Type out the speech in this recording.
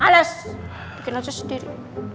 alas bikin aja sendiri